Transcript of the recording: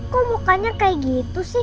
kok mukanya seperti itu sih